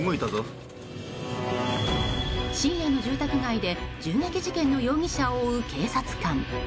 深夜の住宅街で銃撃事件の容疑者を追う警察官。